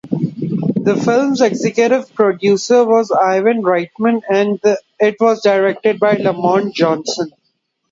The film's executive producer was Ivan Reitman, and it was directed by Lamont Johnson.